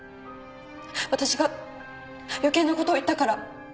私が余計なことを言ったから。